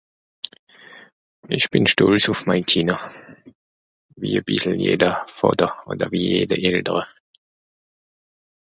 Ìch bìn stolz ùf mei Kìnder wie a bissel jeder vater oder jedi eltere